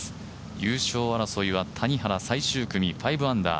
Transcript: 優勝争いは谷原最終組５アンダー。